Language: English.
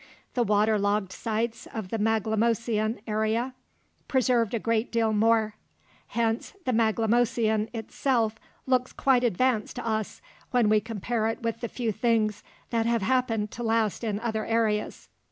The water logged sites of the Maglemosian area preserved a great deal more. Hence the Maglemosian itself looks quite advanced to us, when we compare it with the few things that have happened to last in other areas.